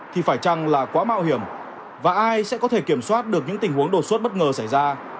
thì phải chăng là quá mạo hiểm và ai sẽ có thể kiểm soát được những tình huống đột xuất bất ngờ xảy ra